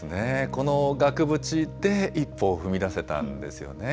この額縁で一歩を踏み出せたんですよね。